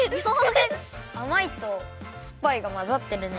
あまいとすっぱいがまざってるね。